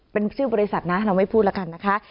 เป็นชื่อบริษัทนะเราไม่พูดแล้วกันนะคะ